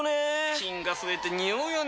菌が増えて臭うよね。